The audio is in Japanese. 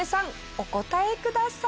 お答えください。